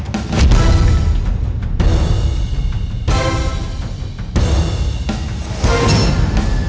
tadi gue nggak salah lihat